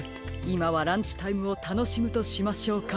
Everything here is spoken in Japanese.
いまはランチタイムをたのしむとしましょうか。